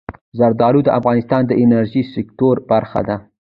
زردالو د افغانستان د انرژۍ سکتور برخه ده.